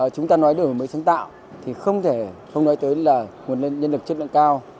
chúng ta nói đối với mấy sáng tạo thì không thể không nói tới là nguồn nhân lực chất lượng cao